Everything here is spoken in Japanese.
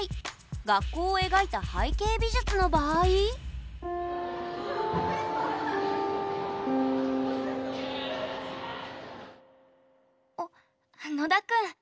学校を描いた背景美術の場合あっ野田くん